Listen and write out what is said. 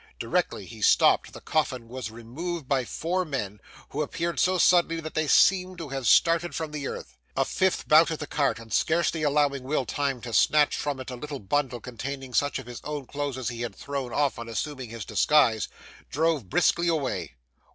Directly he stopped, the coffin was removed by four men, who appeared so suddenly that they seemed to have started from the earth. A fifth mounted the cart, and scarcely allowing Will time to snatch from it a little bundle containing such of his own clothes as he had thrown off on assuming his disguise, drove briskly away.